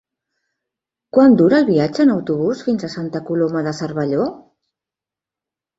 Quant dura el viatge en autobús fins a Santa Coloma de Cervelló?